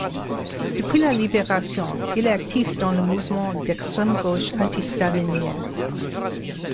Depuis la Libération, il est actif dans le mouvement d'extrême-gauche antistalinien.